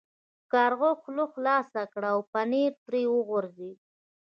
کارغه خوله خلاصه کړه او پنیر ترې وغورځید.